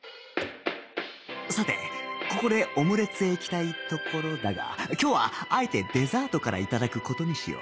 さてここでオムレツへいきたいところだが今日はあえてデザートから頂く事にしよう